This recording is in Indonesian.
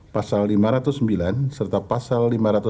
pasal lima ratus sembilan serta pasal lima ratus enam puluh